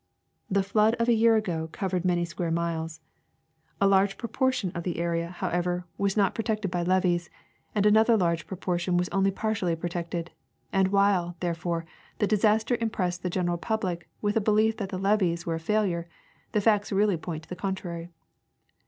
The flood of a year ago cov ered many square miles. A large proportion of the area, how 38 Herbert G. Ogden — Geography of the Land. ever, was not protected by levees, and another large proportion was only partially protected ; and while, therefore, the disaster impressed the general public with a belief that the levees were a failure, the facts really point to the contrary.